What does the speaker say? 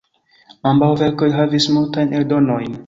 Ambaŭ verkoj havis multajn eldonojn.